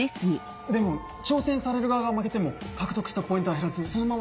でも挑戦される側が負けても獲得したポイントは減らずそのままです。